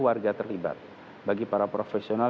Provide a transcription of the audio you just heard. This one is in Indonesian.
warga terlibat bagi para profesional